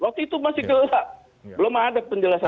waktu itu masih gelap belum ada penjelasan